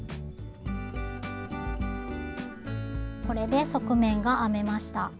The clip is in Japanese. これで側面が編めました。